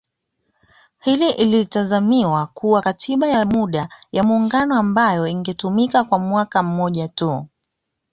Hii ilitazamiwa kuwa katiba ya muda ya muungano ambayo ingetumika kwa mwaka mmoja tu